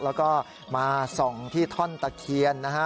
แล้วก็มาส่องที่ท่อนตะเคียนนะฮะ